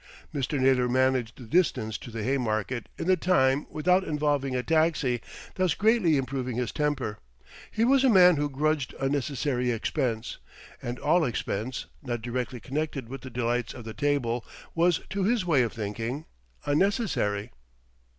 Mr. Naylor managed the distance to the Haymarket in the time without involving a taxi, thus greatly improving his temper. He was a man who grudged unnecessary expense, and all expense, not directly connected with the delights of the table, was to his way of thinking unnecessary.